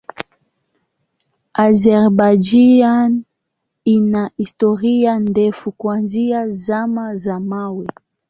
Azerbaijan ina historia ndefu kuanzia Zama za Mawe.